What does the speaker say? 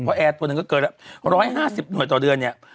เพราะแอร์ตัวหนึ่งก็เกินแล้ว๑๕๐หน่วยต่อเดือนเนี่ย